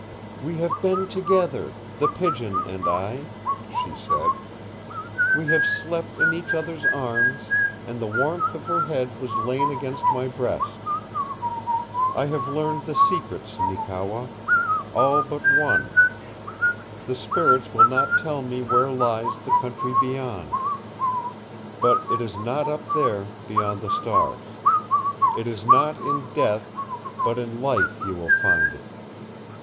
"We have been together, The Pigeon and I," she said. "We have slept in each other's arms, and the warmth of her head has lain against my breast. I have learned the secrets, Neekewa all but one. The spirits will not tell me where lies the Country Beyond. But it is not up there beyond the stars. It is not in death, but in life you will find it.